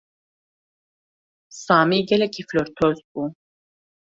Samî gelekî flortoz bû.